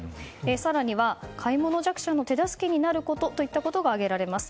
更には買い物弱者の手助けになることといったことが挙げられます。